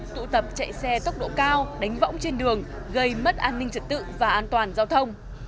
tụ tập chạy xe tốc độ cao đánh võng trên đường gây mất an ninh trật tự và an toàn giao thông